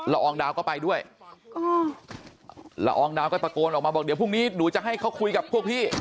อองดาวก็ไปด้วยละอองดาวก็ตะโกนออกมาบอกเดี๋ยวพรุ่งนี้หนูจะให้เขาคุยกับพวกพี่